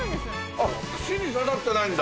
あっ串に刺さってないんだ。